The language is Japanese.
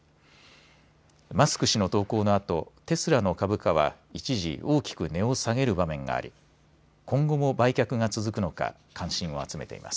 マスク氏の投稿のあとテスラの株価は一時大きく値を下げる場面があり今後も売却が続くのか関心を集めています。